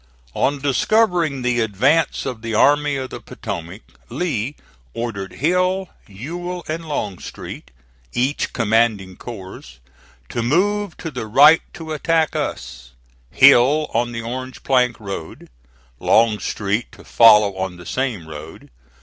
On discovering the advance of the Army of the Potomac, Lee ordered Hill, Ewell and Longstreet, each commanding corps, to move to the right to attack us, Hill on the Orange Plank Road, Longstreet to follow on the same road.